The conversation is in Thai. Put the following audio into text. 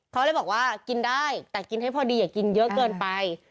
เขาเลยบอกว่ากินได้แต่กินให้พอดีอย่ากินเยอะเกินไป